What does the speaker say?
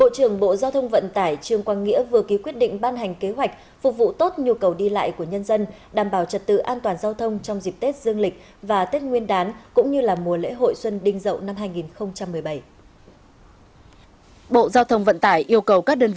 các bạn hãy đăng ký kênh để ủng hộ kênh của chúng mình nhé